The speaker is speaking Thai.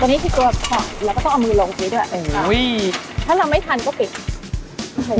นี่คือตัวคดเราก็ต้องเอามือลงทีด้วยถ้าเราไม่ทันก็ปิด